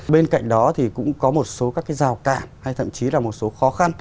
bên cạnh đó thì cũng có một số các cái giao cạn hay thậm chí là một số khó khăn